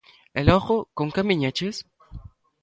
E logo, con quen viñeches?